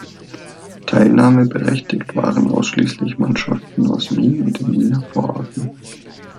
Teilnahmeberechtigt waren ausschließlich Mannschaften aus Wien und den Wiener Vororten.